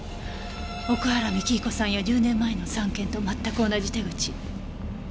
奥原幹彦さんや１０年前の３件と全く同じ手口。